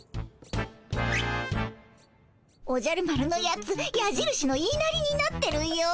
おじゃる丸のやつやじるしの言いなりになってるよ。